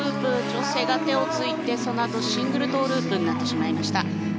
女性が手をついてそのあとシングルトウループになってしまいました。